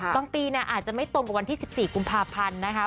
ปีอาจจะไม่ตรงกับวันที่๑๔กุมภาพันธ์นะคะ